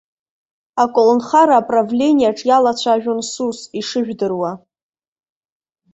Аколнхара аправлениаҿ иалацәажәон сус, ишыжәдыруа.